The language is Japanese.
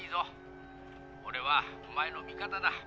☎俺はお前の味方だ